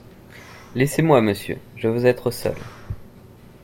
Laissez-moi, Monsieur ; je veux être seule.